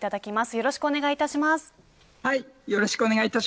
よろしくお願いします。